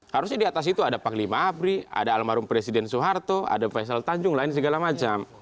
harusnya di atas itu ada pak lima apri ada almarhum presiden soeharto ada pak essel tanjung lain segala macam